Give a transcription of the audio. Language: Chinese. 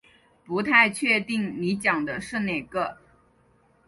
不太确定你讲的是哪个